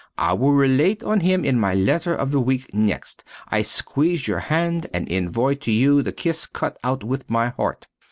I will relate on him in my letter of the week next. I squeeze your hand, and envoy to you the kiss cut out with my heart.